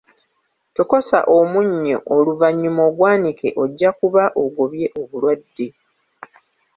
Tokosa omunnyo oluvannyuma ogwanike ojja kuba ogobye obulwadde.